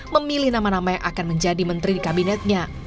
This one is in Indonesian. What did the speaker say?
memilih nama nama yang akan menjadi menteri di kabinetnya